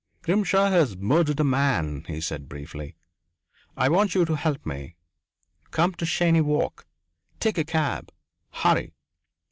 "Grimshaw has murdered a man," he said briefly. "I want you to help me. Come to Cheyne Walk. Take a cab. Hurry."